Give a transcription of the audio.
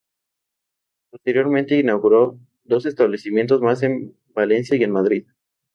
Posteriormente, inauguró dos establecimientos más en Valencia y en Madrid.